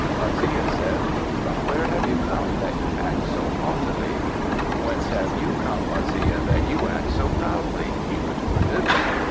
Waziya said, "From where have you come that you act so haughtily?" "Whence have you come, Waziya, that you act so proudly?" he retorted.